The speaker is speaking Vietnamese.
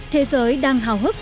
thế giới đang hào hức